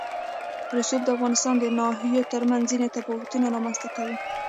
رسوب د افغانستان د ناحیو ترمنځ ځینې تفاوتونه رامنځ ته کوي.